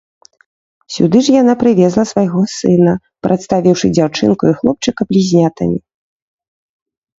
Сюды ж яна прывезла свайго сына, прадставіўшы дзяўчынку і хлопчыка блізнятамі.